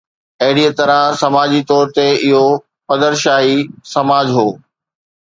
اهڙيءَ طرح سماجي طور تي اهو پدرشاهي سماج هو.